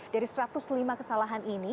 dari satu ratus lima kesalahan ini